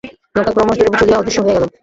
নৌকা ক্রমশ দূরে চলিয়া অদৃশ্য হইয়া গেল।